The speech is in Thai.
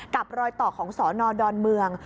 กับรอยต่อของสอนอนดอนเมือง